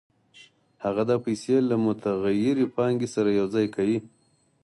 هغه دا پیسې له متغیرې پانګې سره یوځای کوي